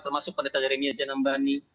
termasuk pendeta yeremia zainambani